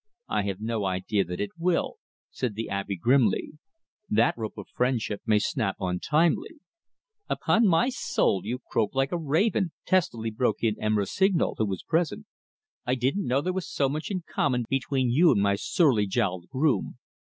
"I have no idea that it will," said the Abbe grimly. "That rope of friendship may snap untimely." "Upon my soul, you croak like a raven!" testily broke in M. Rossignol, who was present. "I didn't know there was so much in common between you and my surly jowled groom.